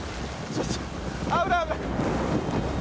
危ない、危ない！